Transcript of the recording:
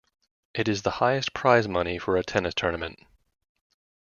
It is the highest prize money for a tennis tournament.